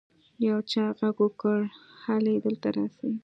يو چا ږغ وکړ هلئ دلته راسئ.